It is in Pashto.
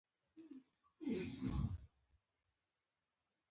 دا هیله یې وزېږوله.